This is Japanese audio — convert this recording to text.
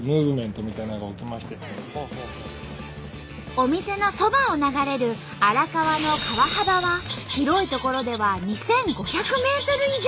お店のそばを流れる荒川の川幅は広い所では２，５００ｍ以上。